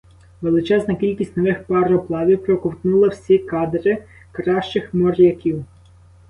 Величезна кількість нових пароплавів проковтнула всі кадри кращих моряків.